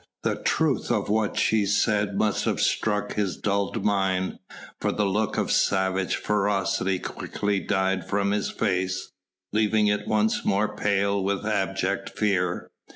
The truth of what she said must have struck his dulled mind, for the look of savage ferocity quickly died from his face, leaving it once more pale with abject fear.